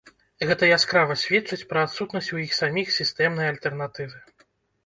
Гэта яскрава сведчыць пра адсутнасць у іх саміх сістэмнай альтэрнатывы.